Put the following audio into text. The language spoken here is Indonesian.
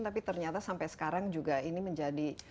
tapi ternyata sampai sekarang juga ini menjadi